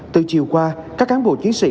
từ chiều qua các cán bộ chiến sĩ